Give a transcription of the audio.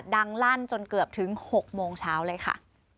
ลั่นจนเกือบถึง๖โมงเช้าเลยค่ะ